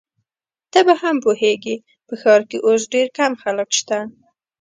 ته به هم پوهیږې، په ښار کي اوس ډېر کم خلک شته.